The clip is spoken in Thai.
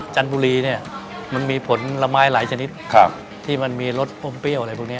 จันทบุรีเนี่ยมันมีผลไม้หลายชนิดที่มันมีรสมเปรี้ยวอะไรพวกนี้